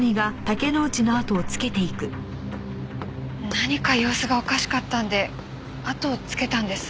何か様子がおかしかったのであとをつけたんです。